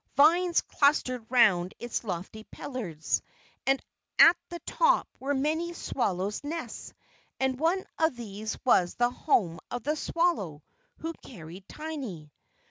Vines clustered round its lofty pillars, and at the top were many swallows' nests, and one of these was the home of the swallow who carried Tiny.